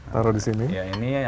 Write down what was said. taruh di sini